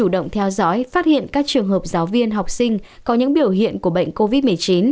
báo rõi phát hiện các trường hợp giáo viên học sinh có những biểu hiện của bệnh covid một mươi chín